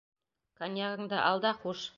Коньягыңды ал да, хуш.